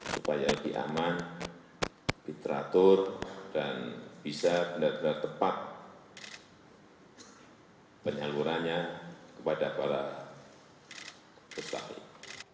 supaya lebih aman diteratur dan bisa benar benar tepat penyalurannya kepada para petani